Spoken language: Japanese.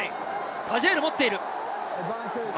タジェール持っている。